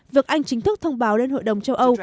việc anh chính thức thông báo lên hội đồng châu âu